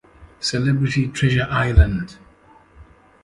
Celebrity Treasure Island.